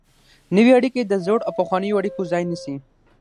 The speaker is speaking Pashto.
نوې اړیکې د زړو او پخوانیو اړیکو ځای نیسي.